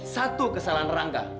satu kesalahan rangga